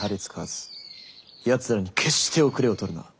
奴らに決して後れを取るな。